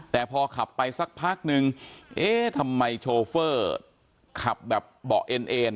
แต่พอขับไปสักพักนึงเอ๊ะทำไมโชเฟอร์ขับแบบเบาะเอ็นเอ็น